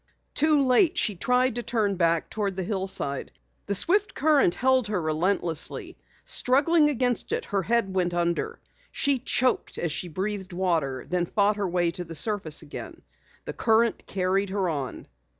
Too late she tried to turn back toward the hillside. The swift current held her relentlessly. Struggling against it, her head went under. She choked as she breathed water, then fought her way to the surface again. The current carried her on.